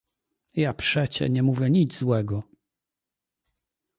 "Ja przecie nie mówię nic złego."